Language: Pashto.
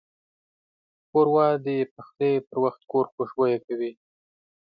ښوروا د پخلي پر وخت کور خوشبویه کوي.